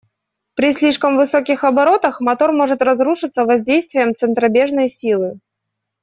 При слишком высоких оборотах мотор может разрушиться воздействием центробежной силы.